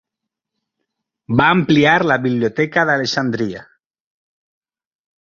Va ampliar la biblioteca d'Alexandria.